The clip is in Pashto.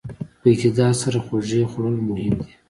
په اعتدال سره خوږې خوړل مهم دي.